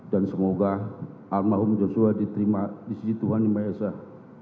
dan semoga almarhum yosua diterima di sisi tuhan yang mayasah